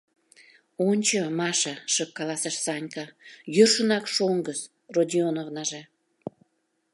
— Ончо, Маша, — шып каласыш Санька: — йӧршынак шоҥгыс, Родионовнаже.